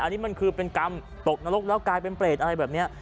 อันนี้มันคือเป็นกรรมตกนรกแล้วกลายเป็นเปรตอะไรแบบนี้